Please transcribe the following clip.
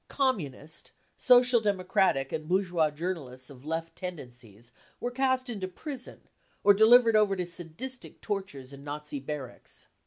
Communist, Social Democratic and bourgeois journalists of Left tendencies were cast into prison or delivered over to sadistic tortures in Nazi barracks.